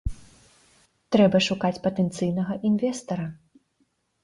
Трэба шукаць патэнцыйнага інвестара.